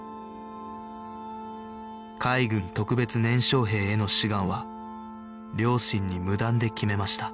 海軍特別年少兵への志願は両親に無断で決めました